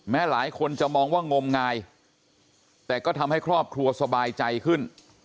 หลายคนจะมองว่างมงายแต่ก็ทำให้ครอบครัวสบายใจขึ้น